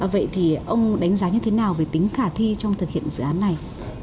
vậy thì ông đánh giá như thế nào về tính khả thi trong thực hiện dự án này